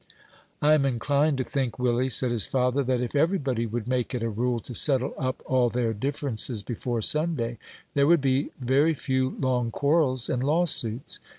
"I am inclined to think, Willie," said his father, "that if every body would make it a rule to settle up all their differences before Sunday, there would be very few long quarrels and lawsuits.